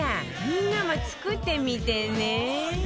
みんなも作ってみてね！